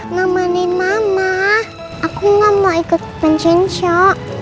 ngemenin mama aku gak mau ikut pencensok